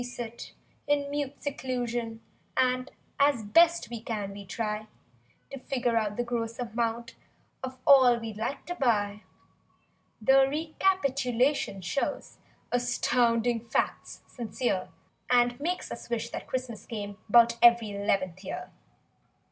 io6 We sit in mute seclusion and As best we can, we try To figure just the gross amount Of all we'd like to buy; The recapitulation shows Astounding facts, sincere— And makes us wish that Christmas came 'Bout ev'ry 'leventh year.